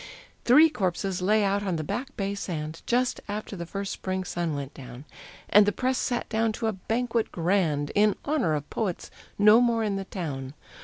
Three corpses lay out on the Back Bay sand, Just after the first spring sun went down, And the Press sat down to a banquet grand, In honor of poets no more in the town.